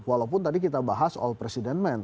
walaupun tadi kita bahas all president men